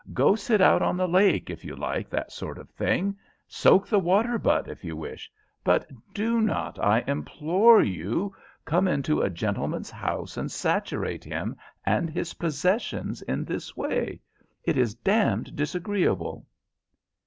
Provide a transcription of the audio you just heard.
Go sit out on the lake, if you like that sort of thing; soak the water butt, if you wish; but do not, I implore you, come into a gentleman's house and saturate him and his possessions in this way. It is damned disagreeable."